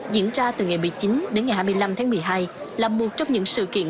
diễn ra từ ngày một mươi chín đến ngày hai mươi năm tháng một mươi hai là một trong những sự kiện